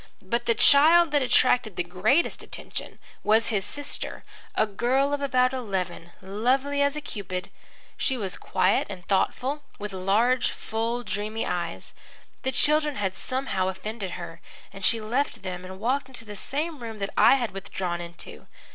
But the child that attracted the greatest attention was his sister, a girl of about eleven, lovely as a Cupid. She was quiet and thoughtful, with large, full, dreamy eyes. The children had somehow offended her, and she left them and walked into the same room that I had withdrawn into.